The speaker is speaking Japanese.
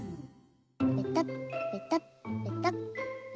ペタッペタッペタッペタッ。